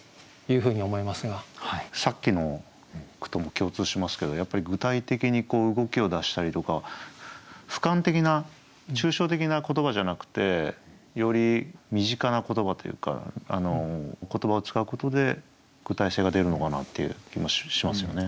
さっきの句とも共通しますけどやっぱり具体的に動きを出したりとかふかん的な抽象的な言葉じゃなくてより身近な言葉というか言葉を使うことで具体性が出るのかなっていう気もしますよね。